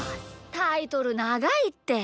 タイトルながいって。